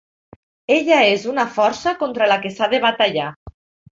Ella és una força contra la que s'ha de batallar.